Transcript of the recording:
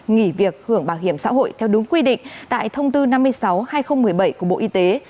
nghỉ việc hưởng bảo hiểm xã hội theo đúng quy định tại thông tư năm mươi sáu hai nghìn một mươi bảy của bộ y tế